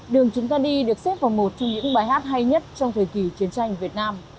đường chúng ta đi được xếp vào một trong những bài hát hay nhất trong thời kỳ chiến tranh việt nam